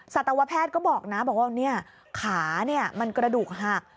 สัตวแพทย์ก็บอกนะบอกว่าขามันกระดูกหัก